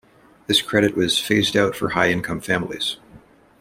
This credit was phased out for high-income families.